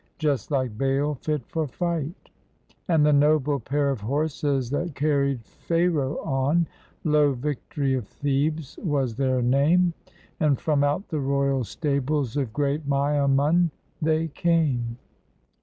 Just Kke Baal, fit for fight; And the noble pair of horses that carried Pharaoh on, Lo! "Victory of Thebes" was their name, And from out the royal stables of great Miamun they came.